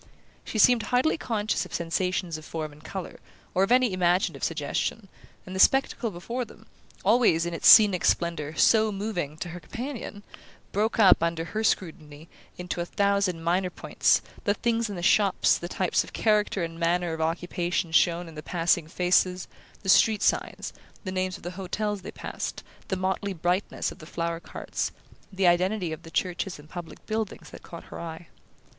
She seemed hardly conscious of sensations of form and colour, or of any imaginative suggestion, and the spectacle before them always, in its scenic splendour, so moving to her companion broke up, under her scrutiny, into a thousand minor points: the things in the shops, the types of character and manner of occupation shown in the passing faces, the street signs, the names of the hotels they passed, the motley brightness of the flower carts, the identity of the churches and public buildings that caught her eye.